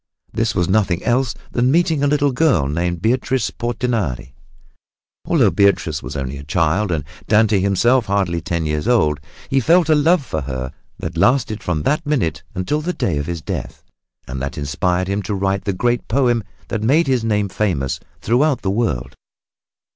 This was nothing else than meeting a little girl named Beatrice Portinari. Although Beatrice was only a child, and Dante himself hardly ten years old, he felt a love for her that lasted from that minute until the day of his death and that inspired him to write the great poem that made his name famous throughout the world.